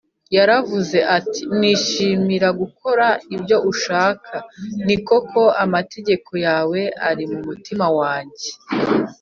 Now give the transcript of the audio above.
Yaravuze ati, “Nishimira gukora ibyo ushaka, ni koko amategeko yawe ari mu mutima wanjye